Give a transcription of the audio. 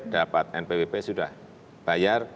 dapat npwp sudah bayar